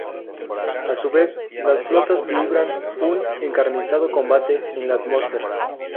A su vez, las flotas libraban un encarnizado combate en la atmósfera.